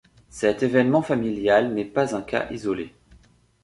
Cet événement familial n'est pas un cas isolé.